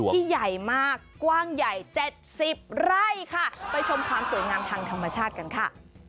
ที่ใหญ่มากกว้างใหญ่๗๐ไร่ค่ะไปชมความสวยงามทางธรรมชาติกันค่ะ